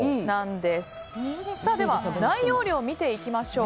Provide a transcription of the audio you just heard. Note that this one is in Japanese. では、内容量を見ていきましょう。